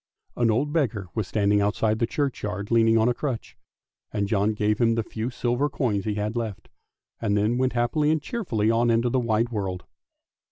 An old beggar was standing outside the churchyard leaning on a crutch, and John gave him the few silver coins he had left, and then went happily and cheerfully on into the wide world.